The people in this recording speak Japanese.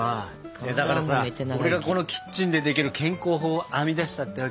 だからさ俺がこのキッチンでできる健康法を編み出したってわけよ。